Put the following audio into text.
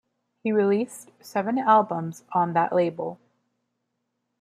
He released seven albums on that label.